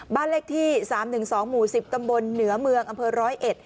บ้านเล็กที่๓๑๒หมู่๑๐ตำบลเนื้อเมืองอำเภอ๑๐๑